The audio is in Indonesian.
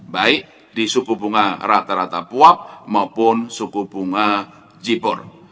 baik di suku bunga rata rata puap maupun suku bunga jibor